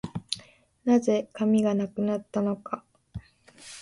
何故、紙がなくなったのか